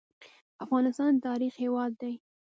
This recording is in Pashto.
افغانستان د تاریخ هیواد دی